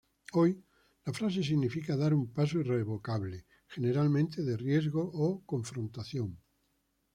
Hoy la frase significa dar un paso irrevocable, generalmente de riesgo o confrontación.